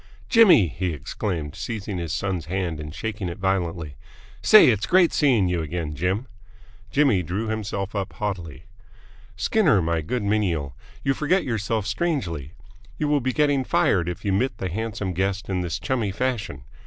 "Jimmy!" he exclaimed, seizing his son's hand and shaking it violently. "Say, it's great seeing you again, Jim!" Jimmy drew himself up haughtily. "Skinner, my good menial, you forget yourself strangely! You will be getting fired if you mitt the handsome guest in this chummy fashion!"